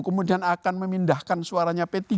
kemudian akan memindahkan suaranya p tiga